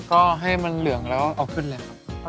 ก็ให้มันเหลืองแล้วเอาขึ้นเลยครับ